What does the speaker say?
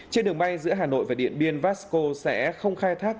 trên đường bay giữa hà nội và điện biên vasco sẽ không khai thác